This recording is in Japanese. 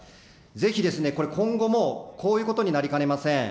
ぜひですね、これ、今後もこういうことになりかねません。